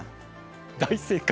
大正解。